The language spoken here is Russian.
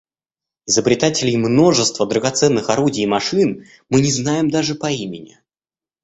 Изобретателей множества драгоценных орудий и машин мы не знаем даже по имени.